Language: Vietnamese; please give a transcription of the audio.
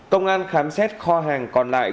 công an khám xét kho hàng còn lại